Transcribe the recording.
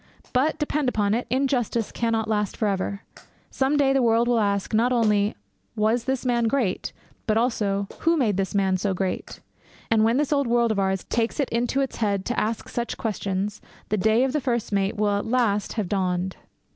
But, depend upon it, injustice cannot last for ever. Some day the world will ask, not only, 'Was this man great?' but also, 'Who made this man so great?' And when this old world of ours takes it into its head to ask such questions, the day of the first mate will at last have dawned.